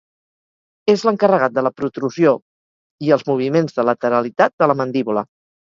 És l'encarregat de la protrusió i els moviments de lateralitat de la mandíbula.